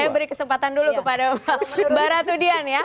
saya beri kesempatan dulu kepada mbak ratudian ya